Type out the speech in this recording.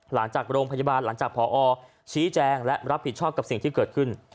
หลังจากโรงพยาบาลหลังจากพอชี้แจงและรับผิดชอบกับสิ่งที่เกิดขึ้น